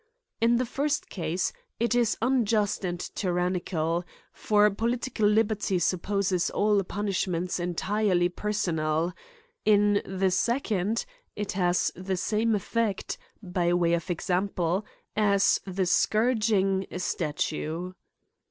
In the first case, it is un< just and tyrannical, for political liberty supposes all punishments entirely personal ; in the second, it has the same effect, by way of example, as the scourging a statue.